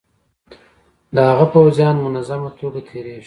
د هغه پوځیان منظمه توګه تیریږي.